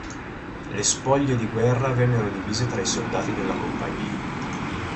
Le spoglie di guerra vennero divise tra i soldati della Compagnia.